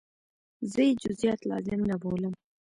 زه یې جزئیات لازم نه بولم.